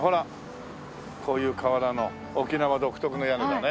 こういう瓦の沖縄独特の屋根だね。